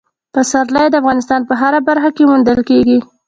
پسرلی د افغانستان په هره برخه کې موندل کېږي.